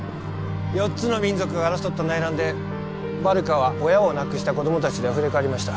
４つの民族が争った内乱でバルカは親を亡くした子供達であふれかえりました